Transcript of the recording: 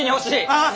ああ！